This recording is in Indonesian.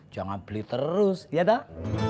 jangan beli terus ya dah